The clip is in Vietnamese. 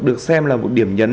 được xem là một điểm nhấn